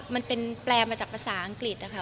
มันเป็นแปลมาจากภาษาอังกฤษนะคะ